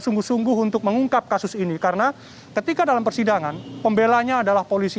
sungguh sungguh untuk mengungkap kasus ini karena ketika dalam persidangan pembelanya adalah polisi